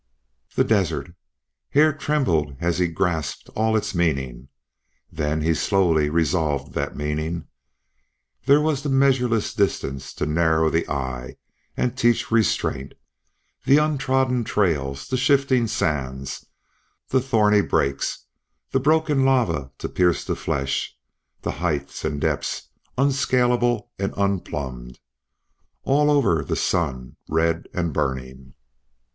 The desert! Hare trembled as he grasped all its meaning. Then he slowly resolved that meaning. There were the measureless distances to narrow the eye and teach restraint; the untrodden trails, the shifting sands, the thorny brakes, the broken lava to pierce the flesh; the heights and depths, unscalable and unplumbed. And over all the sun, red and burning.